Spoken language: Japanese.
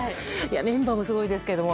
メンバーもすごいですけれども。